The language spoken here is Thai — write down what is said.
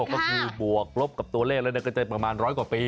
๒๔๐๖๒๔๖ก็คือบวกกล้บกับตัวเลขมาก็คือประมาณ๑๐๐กว่าปี